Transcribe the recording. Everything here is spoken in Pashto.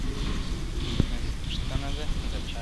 نه دي پوښتنه ده له چا کړې-